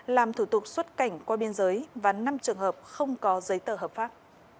làm thủ tục xuất cảnh qua biên giới và năm trường hợp không có giấy tờ hợp pháp